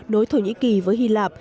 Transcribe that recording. nối thổ nhĩ kỳ với hy lạp